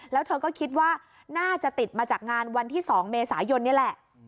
แล้วเธอก็คิดว่าน่าจะติดมาจากงานวันที่๒เมษายนนี่แหละ